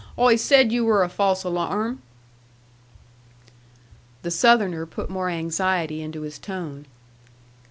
Always said you were a false alarm." The Southerner put more anxiety into his tone.